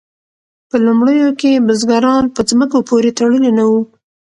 په لومړیو کې بزګران په ځمکو پورې تړلي نه وو.